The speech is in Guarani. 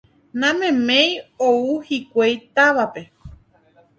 Nameméi ou hikuái távape